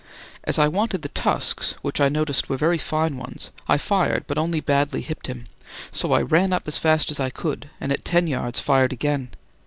As I wanted the tusks, which I noticed were very fine ones, I fired but only badly hipped him: so I ran up as fast as I could and at ten yards fired again.